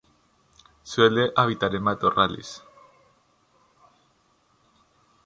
Suele habitar en matorrales.